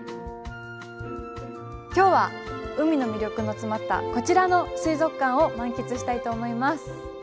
今日は海の魅力の詰まったこちらの水族館を満喫したいと思います。